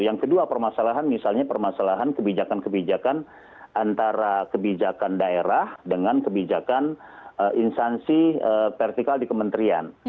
yang kedua permasalahan misalnya permasalahan kebijakan kebijakan antara kebijakan daerah dengan kebijakan instansi vertikal di kementerian